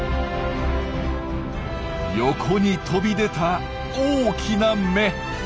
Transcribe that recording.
横に飛び出た大きな目。